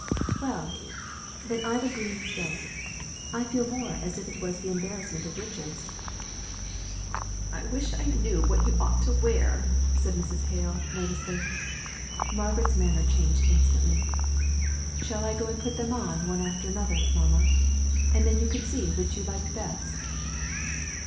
"Well! then I've a green silk. I feel more as if it was the embarrassment of riches." "I wish I knew what you ought to wear," said Mrs. Hale, nervously. Margaret's manner changed instantly. "Shall I go and put them on one after another, mamma, and then you could see which you liked best?"